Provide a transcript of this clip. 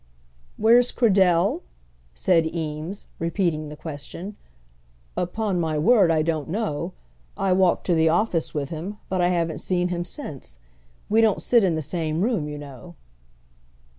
"Where's Cradell?" said Eames, repeating the question. "Upon my word, I don't know. I walked to the office with him, but I haven't seen him since. We don't sit in the same room, you know."